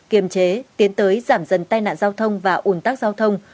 kiềm chế tiến tới giảm dần tai nạn giao thông và ủn tắc giao thông